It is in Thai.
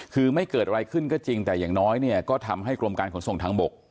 คือไม่เกิดอะไรขึ้นก็จริงแต่อย่างน้อยเนี่ยก็ทำให้กรมการขนส่งทางบก